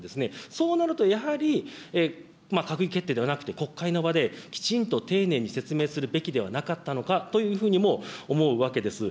そうなると、やはり閣議決定ではなくて、国会の場で、きちんと丁寧に説明するべきではなかったのかというふうにも思うわけです。